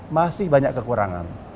masih banyak kekurangan